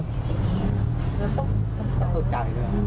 ตกใจด้วยก็ไม่เคยเจอแบบนี้ด้วยครับ